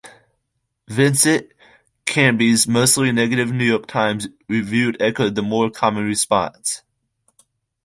Vincent Canby's mostly negative "New York Times" review echoed the more common response.